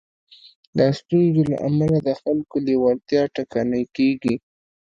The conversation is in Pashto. د ستونزو له امله د خلکو لېوالتيا ټکنۍ کېږي.